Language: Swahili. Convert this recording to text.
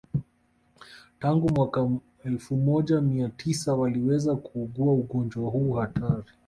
Tangu mwaka elfu moja Mia tisa waliweza kuugua ugonjwa huu hatari